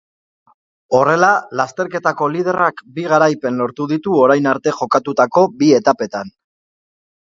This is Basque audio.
Horrela, lasterketako liderrak bi garaipen lortu ditu orain arte jokatutako bi etapetan.